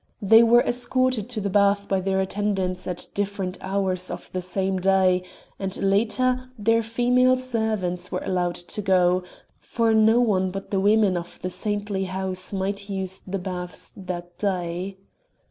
They were escorted to the bath by their attendants at different hours of the same day; and later their female servants were allowed to go, for no one but the women of the saintly house might use the baths that day.